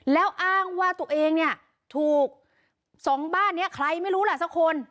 แล้วอ้างว่าตัวเองเนี่ยถูกสองบ้านนี้ใครไม่รู้ล่ะสักคน